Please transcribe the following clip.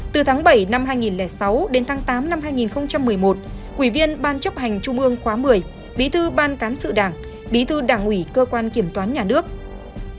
từ tháng bảy năm hai nghìn sáu đến tháng tám năm hai nghìn một mươi một ủy viên ban chấp hành trung ương khóa một mươi bí thư ban cán sự đảng bí thư đảng ủy cơ quan kiểm toán nhà nước